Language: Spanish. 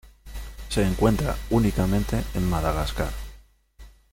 Se encuentra únicamente en Madagascar.